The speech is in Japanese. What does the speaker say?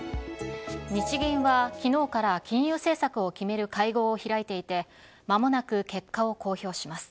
日銀はきのうから金融政策を決める会合を開いていてまもなく結果を公表します。